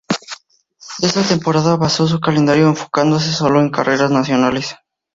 Esa temporada basó su calendario enfocándose sólo en carreras nacionales.